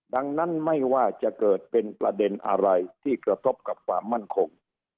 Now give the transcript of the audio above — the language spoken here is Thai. ดังนั้นไม่ว่าจะเกิดเป็นประเด็นอะไรที่กระทบกับความมั่นคง